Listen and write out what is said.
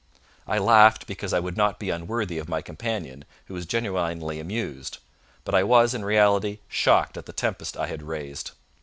I laughed because I would not be unworthy of my companion, who was genuinely amused; but I was, in reality, shocked at the tempest I had raised.